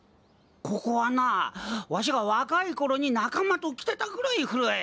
ここはなわしが若いころに仲間と来てたくらい古い。